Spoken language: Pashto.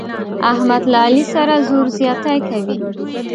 احمد له علي سره زور زیاتی کوي.